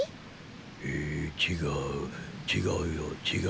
え違う違うよ違うね。